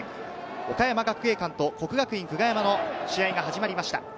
岡山学芸館と國學院久我山の試合が始まりました。